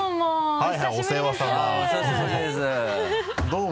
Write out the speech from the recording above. はい。